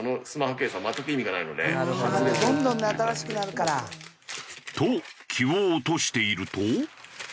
どんどん新しくなるから。と気を落としていると。